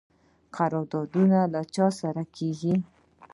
قراردادونه چا سره کیږي؟